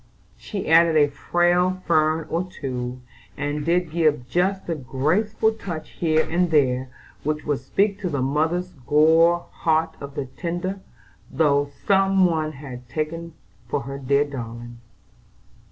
She added a frail fern or two, and did give just the graceful touch here and there which would speak to the mother's sore heart of the tender thought some one had taken for her dead darling.